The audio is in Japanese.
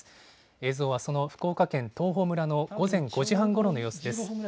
映像はその福岡県東峰村の午前５時半ごろの様子です。